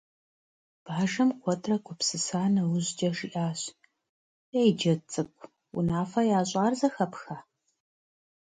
Бажэм, куэдрэ гупсыса нэужькӀэ жиӀащ: «Ей, Джэд цӀыкӀу, унэфэ ящӀар зэхэпха?».